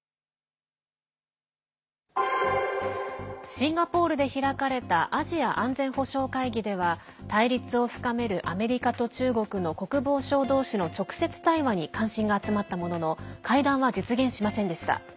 シンガポールで開かれたアジア安全保障会議では対立を深めるアメリカと中国の国防相同士の直接対話に関心が集まったものの会談は実現しませんでした。